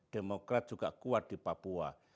demokrat juga kuat di papua